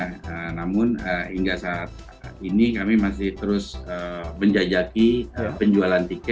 namun hingga saat ini kami masih terus menjajaki penjualan tiket